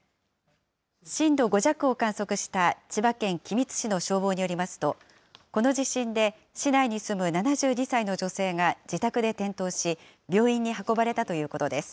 震度５弱を観測した千葉県君津市の消防によりますと、この地震で市内に住む７２歳の女性が自宅で転倒し、病院に運ばれたということです。